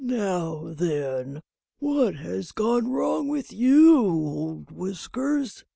"Now then, what has gone wrong with you old Whiskers?"